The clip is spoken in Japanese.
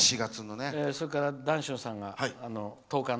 それから談春さんが１０日の。